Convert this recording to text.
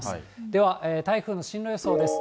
では、台風の進路予想です。